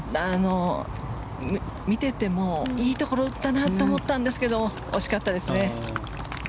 見ていてもいいところ打ったなと思ったんですけど惜しかったですね。